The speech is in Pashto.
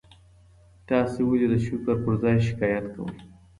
تاسي ولي د شکر پر ځای شکایت کوئ؟